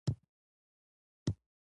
دا شی باید بې ساری وي.